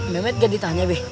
memet gak ditanya be